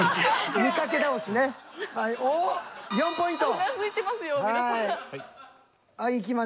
３ポイント。